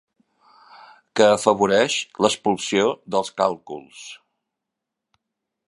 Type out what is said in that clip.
Que afavoreix l'expulsió dels càlculs.